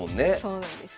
そうなんですよ。